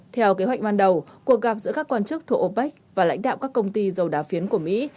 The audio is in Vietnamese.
theo kế hoạch ban đầu cuộc gặp giữa các quan chức thuộc opec và lãnh đạo các công ty dầu đá phiến của mỹ